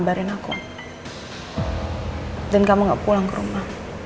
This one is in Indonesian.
karena aku kayak sama